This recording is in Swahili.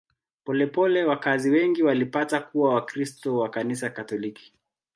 Polepole wakazi wengi walipata kuwa Wakristo wa Kanisa Katoliki.